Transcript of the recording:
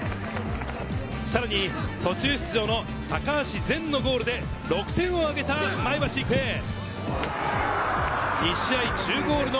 さらに途中出場の高足善のゴールで６点を挙げた前橋育英。